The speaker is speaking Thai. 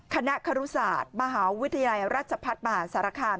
คณะครุศาสตร์มหาวิทยาลัยรัชภัฐบาลสารคาม